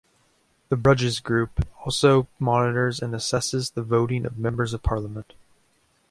The Bruges Group also monitors and assesses the voting of Members of Parliament.